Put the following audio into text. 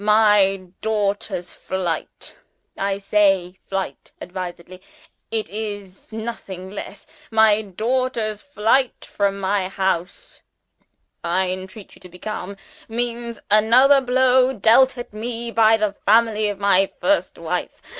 My daughter's flight I say flight advisedly: it is nothing less my daughter's flight from my house means (I entreat you to be calm!) means ANOTHER BLOW dealt at me by the family of my first wife.